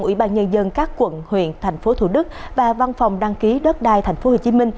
ủy ban nhân dân các quận huyện thành phố thủ đức và văn phòng đăng ký đất đai tp hcm